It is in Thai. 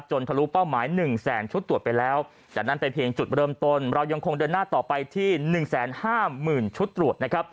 ทะลุเป้าหมาย๑แสนชุดตรวจไปแล้วจากนั้นไปเพียงจุดเริ่มต้นเรายังคงเดินหน้าต่อไปที่๑๕๐๐๐ชุดตรวจนะครับ